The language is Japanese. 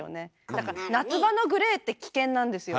だから夏場のグレーって危険なんですよ。